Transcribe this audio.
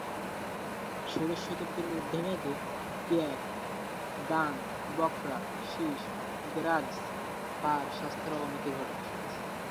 ষোড়শ শতাব্দীর মধ্যভাগে ঙ্গাগ-দ্বাং-ব্ক্রা-শিস-গ্রাগ্স-পার স্বাস্থ্যের অবনতি ঘটে।